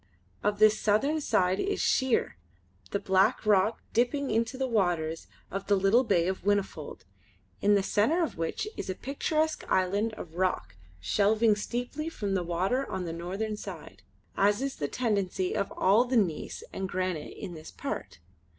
Of this the southern side is sheer, the black rock dipping into the waters of the little bay of Whinnyfold, in the centre of which is a picturesque island of rock shelving steeply from the water on the northern side, as is the tendency of all the gneiss and granite in this part.